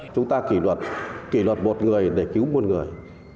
chúng ta kỷ luật kỷ luật một người để cứu muôn người